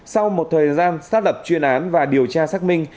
sau một thời gian xác lập chuyên án và điều tra xác minh